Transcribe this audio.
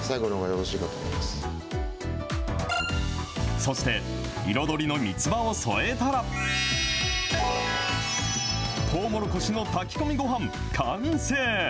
そして、彩りのみつばを添えたら、とうもろこしの炊き込みごはん、完成。